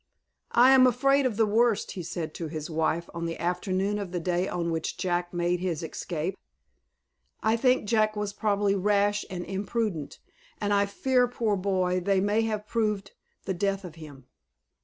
"I am afraid of the worst," he said to his wife, on the afternoon of the day on which Jack made his escape. "I think Jack was probably rash and imprudent, and I fear, poor boy, they may have proved the death of him."